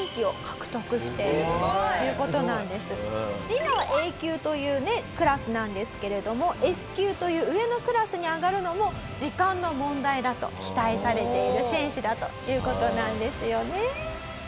今はＡ級というねクラスなんですけれどもＳ級という上のクラスに上がるのも時間の問題だと期待されている選手だという事なんですよね。